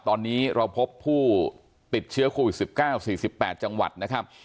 ตอนนี้เราพบผู้ติดเชื้อโควิดสิบเก้าสี่สิบแปดจังหวัดนะครับ